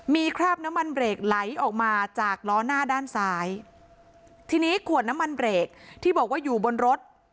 มีคราบน้ำมันเบรกไหลออกมาจากล้อหน้าด้านซ้ายทีนี้ขวดน้ำมันเบรกที่บอกว่าอยู่บนรถ